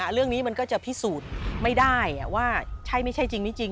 เรื่องนี้มันก็จะพิสูจน์ไม่ได้ว่าใช่ไม่ใช่จริงไม่จริง